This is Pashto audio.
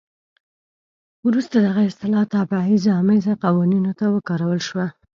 وروسته دغه اصطلاح تبعیض امیزه قوانینو ته وکارول شوه.